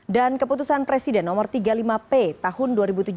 dan keputusan presiden nomor tiga puluh lima p tahun dua ribu tujuh belas